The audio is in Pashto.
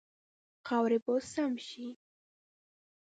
خاورې به سم شي.